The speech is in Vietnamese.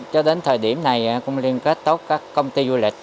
cho đến thời điểm này cũng liên kết tốt các công ty du lịch